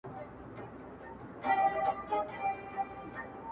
• چي خپل کالي هم د اختر په سهار بل ته ورکړي